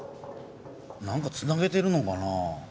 なんかつなげてるのかな？